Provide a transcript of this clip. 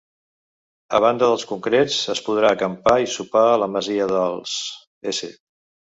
A banda dels concrets es podrà acampar i sopar a la masia dels s.